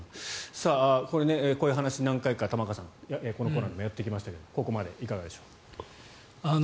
こういう話を何回か玉川さん、このコーナーでもやってきましたがここまでいかがでしょうか。